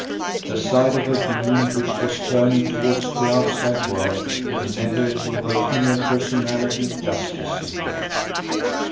The side of her being which was turned towards the outside world would never do her inner person ality justice, he thought.